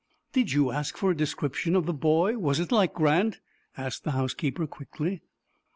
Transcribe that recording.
"Did you ask for a description of the boy? Was it like Grant?" asked the housekeeper, quickly.